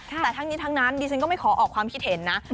แต่ทั้งนี้ทั้งนั้นดิฉันก็ไม่ขอออกความคิดเห็นนะ